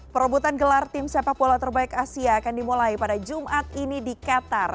perobotan gelar tim sepak bola terbaik asia akan dimulai pada jumat ini di qatar